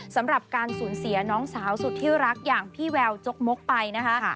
สำหรับการสูญเสียน้องสาวสุดที่รักอย่างพี่แววจกมกไปนะคะ